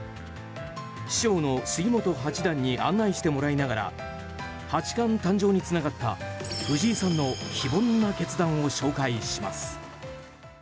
師匠の杉本八段に案内してもらいながら八冠誕生につながった藤井さんの非凡な決断を紹介します。